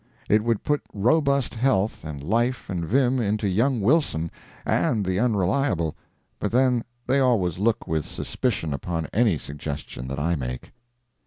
It would put robust health, and life and vim into young Wilson and the Unreliable—but then they always look with suspicion upon any suggestion that I make.